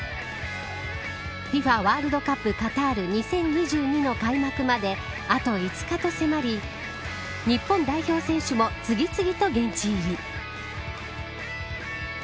ＦＩＦＡワールドカップカタール２０２２の開幕まであと５日とせまり日本代表選手も次々と現地入り。